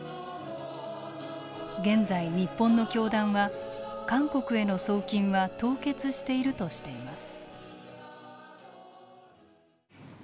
現在日本の教団は韓国への送金は凍結しているとしています。